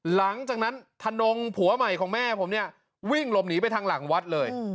หลังจากนั้นธนงผัวใหม่ของแม่ผมเนี่ยวิ่งหลบหนีไปทางหลังวัดเลย